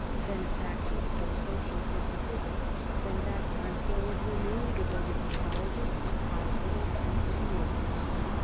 Benefactions for social purposes from that time forward were mainly devoted to colleges, hos pitals, and schools.